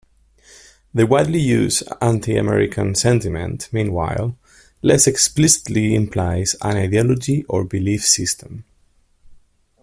The widely used "anti-American sentiment", meanwhile, less explicitly implies an ideology or belief system.